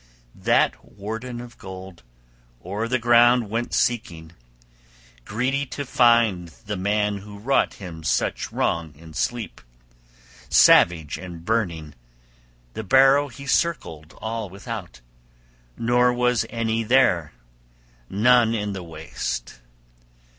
That warden of gold o'er the ground went seeking, greedy to find the man who wrought him such wrong in sleep. Savage and burning, the barrow he circled all without; nor was any there, none in the waste....